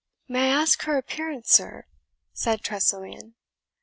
"May I ask her appearance, sir?" said Tressilian.